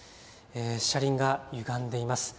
車輪がゆがんでいます。